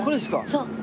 そう。